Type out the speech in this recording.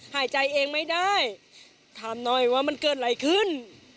หายใจเองไม่ได้ถามหน่อยว่ามันเกิดอะไรขึ้น